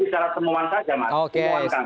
bicara semuanya saja mas